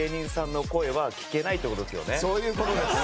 そういう事です。